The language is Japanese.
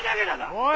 おい！